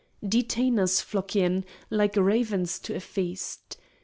Detainers flock in, like ravens to a feast.